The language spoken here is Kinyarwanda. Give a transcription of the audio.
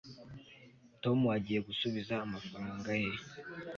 tom agiye gusubiza amafaranga ye